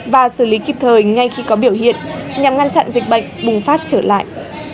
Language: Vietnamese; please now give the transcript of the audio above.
và xử lý kịp thời ngay khi có biểu hiện nhằm ngăn chặn dịch bệnh bùng phát trở lại